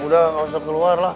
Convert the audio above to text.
udah kalau neng keluar lah